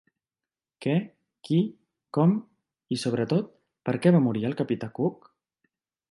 Què, qui, com i, sobretot, per què va morir el capità Cook?